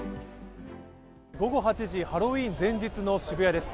午後８時、ハロウィーン前日の渋谷です。